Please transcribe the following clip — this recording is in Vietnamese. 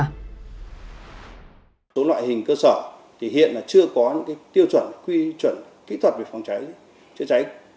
số loại hình cơ sở thì hiện là chưa có những tiêu chuẩn quy chuẩn kỹ thuật về phòng cháy chữa cháy